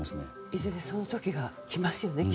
いずれその時が来ますよね。